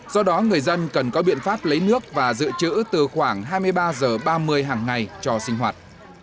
do đó người dân cần có biện pháp lấy nước và dự trữ từ khoảng hai mươi ba h ba mươi hàng ngày cho sinh hoạt